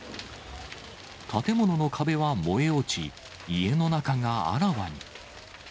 建物の壁は燃え落ち、家の中があらわに。